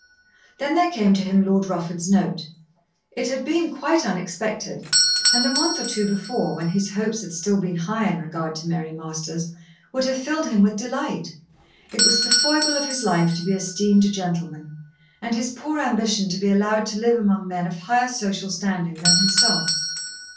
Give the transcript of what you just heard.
Then there came to him Lord Rufford's note. It had been quite unexpected, and a month or two before, when his hopes had still been high in regard to Mary Masters, would have filled him with delight. It was the foible of his life to be esteemed a gentleman, and his poor ambition to be allowed to live among men of higher social standing than himself.